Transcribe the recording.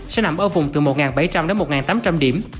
sẽ nằm ở vùng từ một bảy trăm linh đến một tám trăm linh điểm